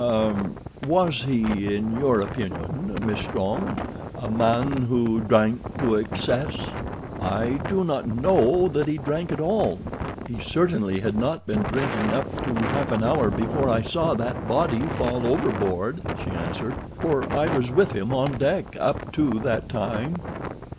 "Er—was he, in your opinion, Miss Strong, a man who drank to excess?" "I do not know that he drank at all—he certainly had not been drinking up to half an hour before I saw that body fall overboard," she answered, "for I was with him on deck up to that time."